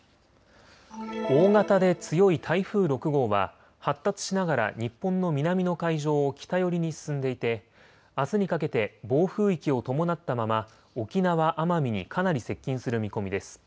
大型で強い台風６号は発達しながら日本の南の海上を北寄りに進んでいてあすにかけて暴風域を伴ったまま沖縄、奄美にかなり接近する見込みです。